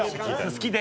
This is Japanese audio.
好きで。